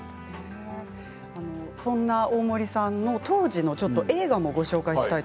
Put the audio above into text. そんな大森さんの当時の映画をご紹介しましょう。